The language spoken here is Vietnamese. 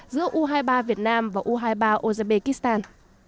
giữa u hai mươi ba việt nam và u hai mươi ba uzbekistan